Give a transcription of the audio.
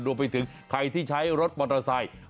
รวมไปถึงใครที่ใช้รถมอเตอร์ไซค์